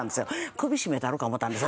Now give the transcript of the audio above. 首絞めたろか思うたんです。